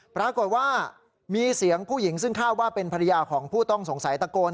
ปรากฏว่ามีเสียงผู้หญิงซึ่งคาดว่าเป็นภรรยาของผู้ต้องสงสัยตะโกน